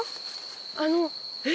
あのえ？